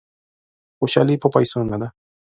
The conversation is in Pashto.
خوشالي په پیسو نه ده.